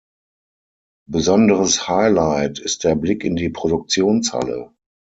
Besonderes Highlight ist der Blick in die Produktionshalle.